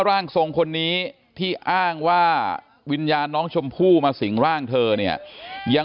อันนี้ก็เลยน้องจุดคืนนั่งค่ะ